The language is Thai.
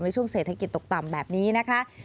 ในช่วงเศรษฐกิจตกต่ำแบบนี้นะคะ